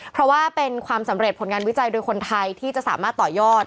เพราะว่าเป็นความสำเร็จผลงานวิจัยโดยคนไทยที่จะสามารถต่อยอด